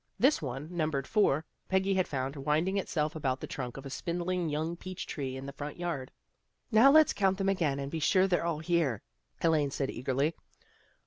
This one, numbered four, Peggy had found winding itself about the trunk of a spindling young peach tree in the front yard. " Now let's count them again and be sure they're all here," Elaine said eagerly.